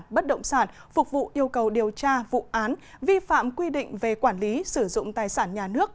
bất động sản phục vụ yêu cầu điều tra vụ án vi phạm quy định về quản lý sử dụng tài sản nhà nước